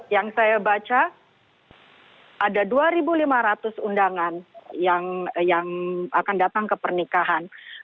yang saya baca ada dua lima ratus undangan yang akan datang ke pernikahan